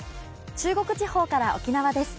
中国地方から沖縄です。